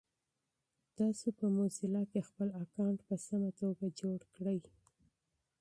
تاسو په موزیلا کې خپل اکاونټ په سمه توګه جوړ کړی؟